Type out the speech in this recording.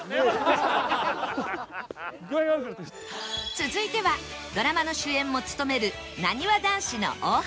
続いてはドラマの主演も務めるなにわ男子の大橋君